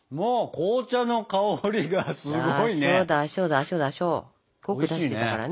濃く出してたからね